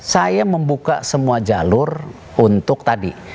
saya membuka semua jalur untuk tadi